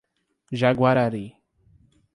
Jaguarari